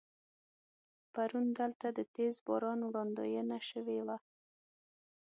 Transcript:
پرون دلته د تیز باران وړاندوينه شوې وه.